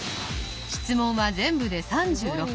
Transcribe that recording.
質問は全部で３６。